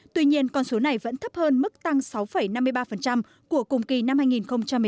tuy nhiên con số này vẫn thấp hơn mức tăng sáu năm mươi ba của cùng kỳ năm hai nghìn một mươi chín